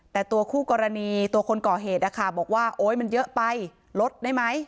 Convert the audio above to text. แต่ตัวคู่กรณีตัวคนก่อเหตุนะคะบอกว่าโอ๊ยมันเยอะไปลดได้ไหม